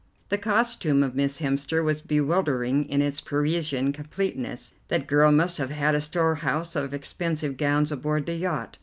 The costume of Miss Hemster was bewildering in its Parisian completeness. That girl must have had a storehouse of expensive gowns aboard the yacht.